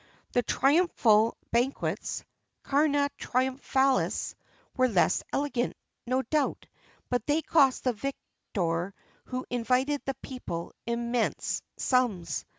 [XXX 27] The triumphal banquets (cœna triumphalis) were less elegant, no doubt, but they cost the victor who invited the people immense sums.